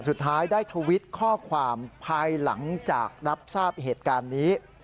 สุดท้ายได้ทวิตข้อความภายหลังจากรับทราบเหตุการณ์นี้